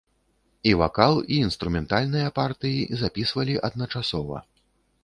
І вакал, і інструментальныя партыі запісвалі адначасова.